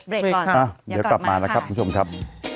เดี๋ยวกลับมานะครับคุณผู้ชมครับ